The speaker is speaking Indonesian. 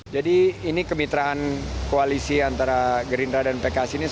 jadi ini kemitraan koalisi antara gerindra dan pks ini